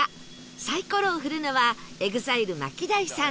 サイコロを振るのは ＥＸＩＬＥＭＡＫＩＤＡＩ さん